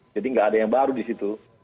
jadi nggak ada yang baru di situ